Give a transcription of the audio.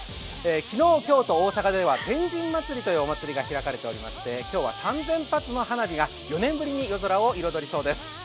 昨日、今日と大阪では天神祭というお祭りが行われておりまして今日は３０００発の花火が４年ぶりに夜空を彩りそうです。